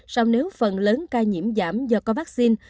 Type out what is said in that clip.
song nếu phần lớn ca nhiễm giảm do có vaccine